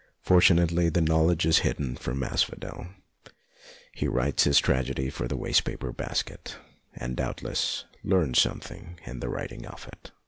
Fortunately, the knowledge is hidden from Asphodel ; he writes his tragedy for the waste paper basket, and doubtless learns something in the writing of it.